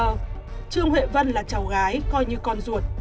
trương huệ vân là cháu gái coi như con ruột